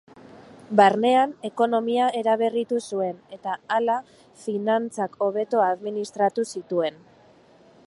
Barnean, ekonomia eraberritu zuen, eta hala finantzak hobeto administratu zituen.